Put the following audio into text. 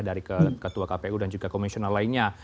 dari ketua kpu dan juga komisioner lainnya